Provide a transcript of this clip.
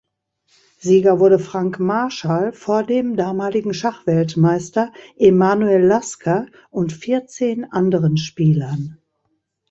Sieger wurde Frank Marshall vor dem damaligen Schachweltmeister Emanuel Lasker und vierzehn anderen Spielern.